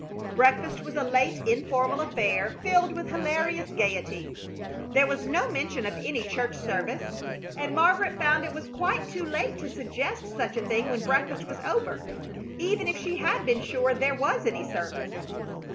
Breakfast was a late, informal affair, filled with hilarious gaiety. There was no mention of any church service, and Margaret found it was quite too late to suggest such a thing when breakfast was over, even if she had been sure there was any service.